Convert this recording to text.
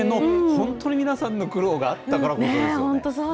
本当に皆さんの苦労があってこのことですよね。